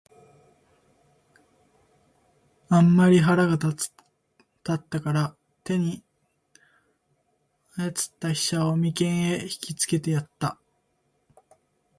あんまり腹が立つたから、手に在つた飛車を眉間へ擲きつけてやつた。